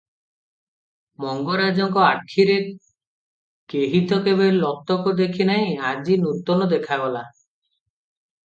ମଙ୍ଗରାଜଙ୍କ ଆଖିରେ କେହିତ କେବେ ଲୋତକ ଦେଖିନାହିଁ, ଆଜି ନୂତନ ଦେଖାଗଲା ।